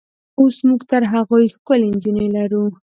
اوس موږ تر هغوی ښکلې نجونې لرو.